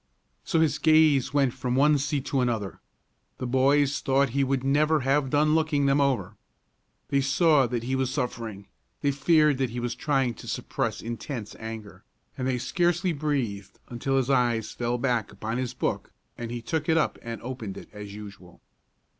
So his gaze went from one seat to another. The boys thought he would never have done looking them over. They saw that he was suffering; they feared that he was trying to suppress intense anger; and they scarcely breathed until his eyes fell back upon his book, and he took it up and opened it as usual.